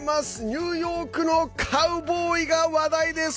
ニューヨークのカウボーイが話題です。